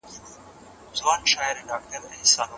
انار د وینې د پاکولو او د زړه د روغتیا لپاره ګټور دی.